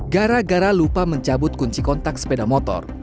gara gara lupa mencabut kunci kontak sepeda motor